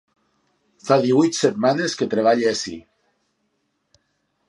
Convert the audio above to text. Fa díhuit setmanes que treballe ací.